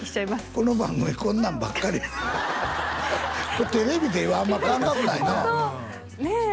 この番組こんなんばっかりやなテレビっていうあんま感覚ないなねえ